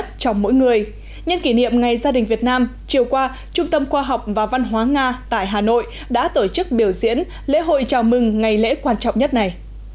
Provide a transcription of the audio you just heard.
trong mỗi người nhân kỷ niệm ngày gia đình việt nam chiều qua trung tâm khoa học và văn hóa nga tại hà nội đã tổ chức biểu diễn lễ hội chào mừng ngày lễ quan trọng nhất này